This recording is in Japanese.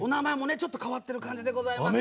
ちょっと変わってる感じでございますけど。